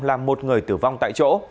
là một người tử vong tại chỗ